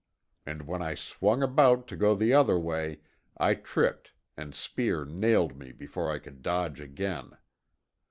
And when I swung about to go the other way I tripped and Speer nailed me before I could dodge again.